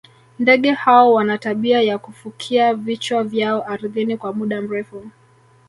ndege hao wana tabia ya kufukia vichwa vyao ardhini kwa muda mrefu